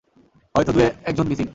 হয়তো দুই একজন মিসিং।